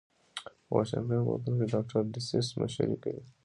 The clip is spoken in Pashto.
په واشنګټن پوهنتون کې ډاکټر ډسیس مشري کوي.